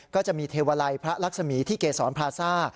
ก็จะมีเทวาลัยพระลักษมีที่เกษรพลาซ่า